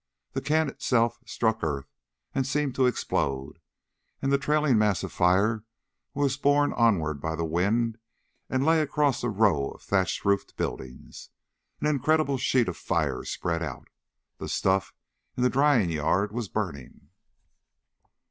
The can itself struck earth and seemed to explode, and the trailing mass of fire was borne onward by the wind and lay across a row of thatch roofed buildings. An incredible sheet of fire spread out. The stuff in the drying yard was burning.